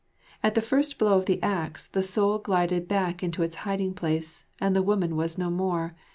At the first blow of the axe the soul glided back into its hiding place, and the woman was no more.